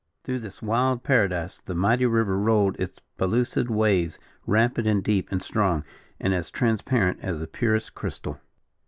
Through this wild paradise the mighty river rolled its pellucid waves, rapid, and deep, and strong, and as transparent as the purest crystal.